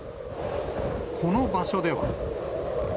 この場所では。